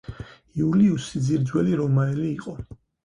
იულიუსი ძირძველი რომაელი იყო.